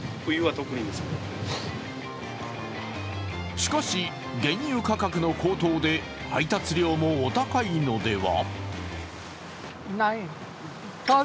しかし、原油価格の高騰で配達料もお高いのでは？